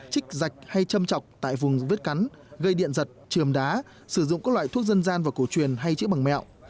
trích dạch hay châm trọc tại vùng vết cắn gây điện giật trường đá sử dụng các loại thuốc dân gian và cổ truyền hay chữ bằng mẹo